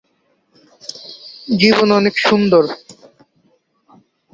lifestyle থেকে আরও দেখুন